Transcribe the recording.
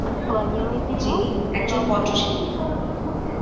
যিনি একজন কণ্ঠশিল্পী।